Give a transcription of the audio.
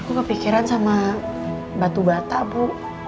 aku kepikiran sama batu bata bu